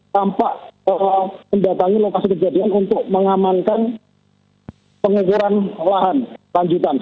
tampak mendatangi lokasi kejadian untuk mengamankan pengukuran lahan lanjutan